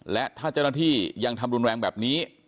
และถ้าเจ้าหน้าที่ยังทำรุนแรงแบบนี้